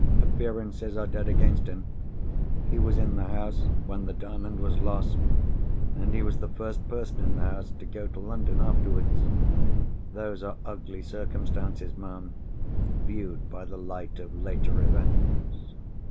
Appearances are dead against him. He was in the house when the Diamond was lost. And he was the first person in the house to go to London afterwards. Those are ugly circumstances, ma'am, viewed by the light of later events."